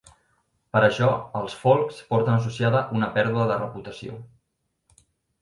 Per això, els "forks" porten associada una pèrdua de reputació.